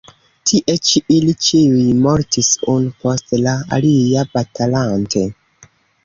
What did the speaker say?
Tie ĉi ili ĉiuj mortis unu post la alia batalante.